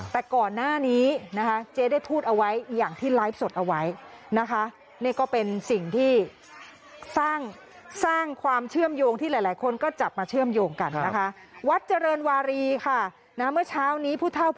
แต่ก่อนหน้านี้นะคะเจ๊ได้พูดเอาไว้อย่างที่ไลฟ์สดเอาไว้นะคะ